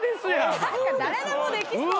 誰でもできそう。